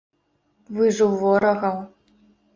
Вы ж у ворагаў.